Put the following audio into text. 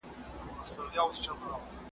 د نریو اوبو مخ په بېل بندیږي .